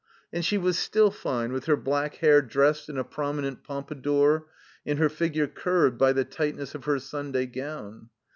And she was still fine, with her black hair dressed in a prominent pompa dour, and her figure curbed by the tightness of her Sunday gown.